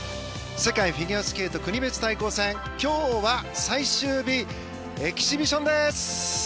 世界フィギュアスケート国別対抗戦。今日は最終日エキシビションです。